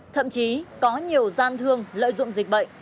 thậm chí có nhiều gian thương lợi dụng dịch bệnh